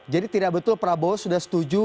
jadi tidak betul pak prabowo sudah setuju